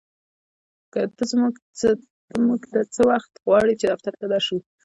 ته مونږ څه وخت غواړې چې دفتر ته در شو